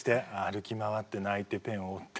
歩き回って泣いてペンを折って。